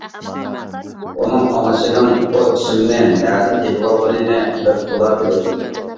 ئۇنىڭ ئانىسىنىڭ بۇ ئىسىمنى نەدىن تېپىۋالغىنىنى بىر خۇدا بىلىدۇ.